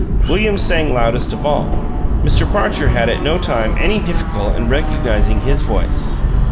William sang loudest of all; Mr. Parcher had at no time any difficulty in recognizing his voice.